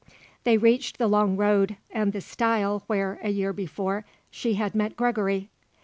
They reached the long road and the stile where, a year before, she had met Gregory.